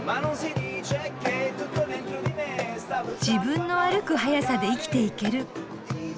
自分の歩く速さで生きていける。